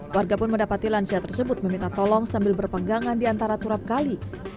warga pun mendapati lansia tersebut meminta tolong sambil berpenggangan di antara turap kali